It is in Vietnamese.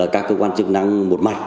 các cơ quan chức năng một mạch